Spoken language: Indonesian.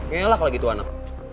ya elak kalau gitu anak